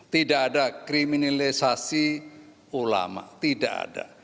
tidak ada kriminalisasi ulama tidak ada